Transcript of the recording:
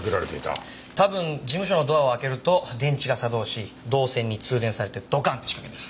多分事務所のドアを開けると電池が作動し銅線に通電されてドカン！って仕掛けです。